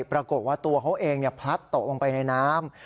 ปรากฏว่าตัวเขาเองพลัดตกลงไปในน้ำ